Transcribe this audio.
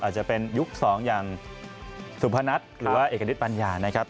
อาจจะเป็นยุค๒อย่างสุพนัทหรือว่าเอกณิตปัญญานะครับ